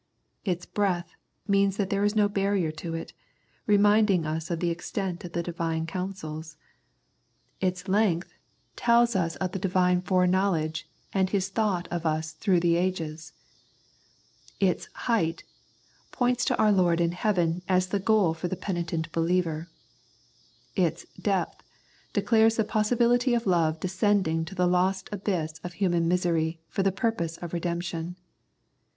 Its " breadth " means that there is no barrier to it, reminding us of the extent of the Divine counsels ; its " length " 119 The Prayers of St. Paul tells us of the Divine foreknowledge and His thought of us through the ages ; its " height " points to our Lord in heaven as the goal for the penitent believer ; its " depth " declares the possibility of love descending to the lost abyss of human misery for the purpose of redemption.